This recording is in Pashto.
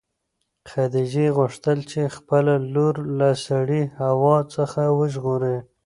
خدیجې غوښتل چې خپله لور له سړې هوا څخه وژغوري.